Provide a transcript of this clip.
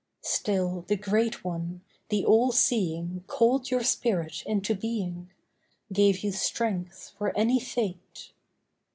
Still the Great One, the All Seeing Called your spirit into being— Gave you strength for any fate.